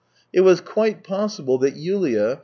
It was quite possible that Yulia.